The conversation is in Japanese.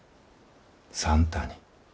算太に。